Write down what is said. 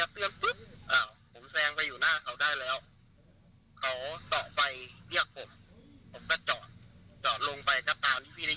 คุณผู้ชมส่งข้อความมาในเพจเฟซบุ๊กไทรรัชน์ช่วยเยอะมากเลย